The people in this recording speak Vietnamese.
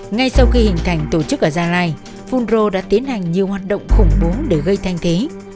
ngay sau khi hình thành tổ chức ở gia lai phun rô đã tiến hành nhiều hoạt động khủng bố để gây thanh thế